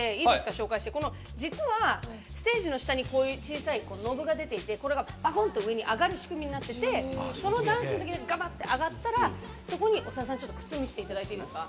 紹介して実はステージの下にこういう小さいノブが出ていてこれがバコンと上に上がる仕組みになっててそのダンスの時にガバって上がったらそこに長田さんちょっと靴見せていただいていいですか？